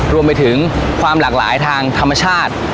รวมไปถึงความหลากหลายทางธรรมชาติ